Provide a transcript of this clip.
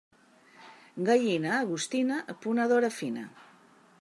Gallina agostina, ponedora fina.